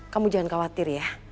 kamu jangan khawatir ya